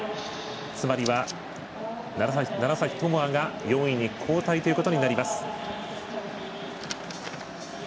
つまりは、楢崎智亜が４位に後退ということになります。